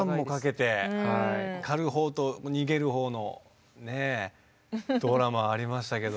狩る方と逃げる方のねドラマありましたけど。